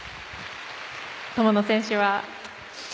友野選手は？